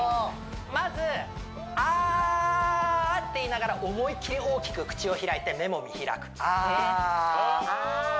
まず「あー」って言いながら思いっきり大きく口を開いて目も見開くあーあー！